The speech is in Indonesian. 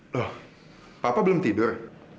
loh bapak belum tidur